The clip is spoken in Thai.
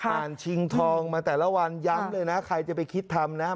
ชิงทองมาแต่ละวันย้ำเลยนะใครจะไปคิดทำนะ